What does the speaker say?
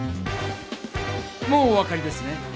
もうお分かりですね。